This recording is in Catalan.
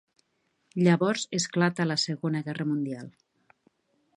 Llavors esclata la Segona Guerra Mundial.